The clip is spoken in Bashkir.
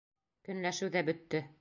Көнләшеү ҙә бөттө.